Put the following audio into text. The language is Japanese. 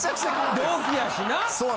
同期やしな。